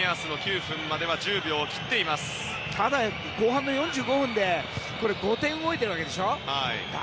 後半の４５分でこれ、５点動いてるわけでしょ。